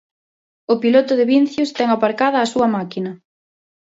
O piloto de Vincios ten aparcada a súa máquina.